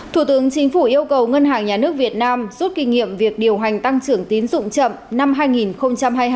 thủ tướng chính phủ yêu cầu ngân hàng nhà nước việt nam rút kinh nghiệm việc điều hành tăng trưởng tín dụng chậm năm hai nghìn hai mươi hai